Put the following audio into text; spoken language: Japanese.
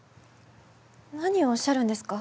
何をおっしゃるんですか？